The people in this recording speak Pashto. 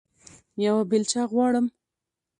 یوه بیلچه غواړم